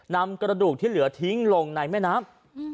นำกระดูกที่เหลือทิ้งลงในแม่น้ำ